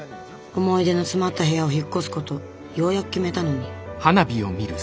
思い出の詰まった部屋を引っ越すことようやく決めたのに。